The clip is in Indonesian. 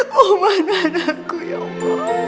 mohon manan aku ya allah